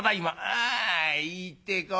「ああ行ってこ。